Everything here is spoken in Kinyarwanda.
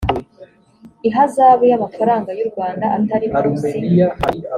ihazabu y amafaranga y u rwanda atari munsi